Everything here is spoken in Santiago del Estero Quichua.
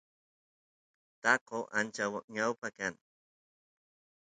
taqo ancha ñawpa kan